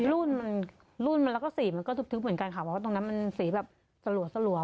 รุ่นมันรุ่นมันแล้วก็สีมันก็ทึบเหมือนกันค่ะเพราะว่าตรงนั้นมันสีแบบสลัว